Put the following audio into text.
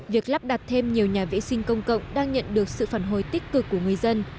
việc lắp đặt thêm nhiều nhà vệ sinh công cộng đang nhận được sự phản hồi tích cực của người dân